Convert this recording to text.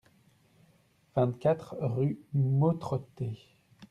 vingt-quatre rue Mautroté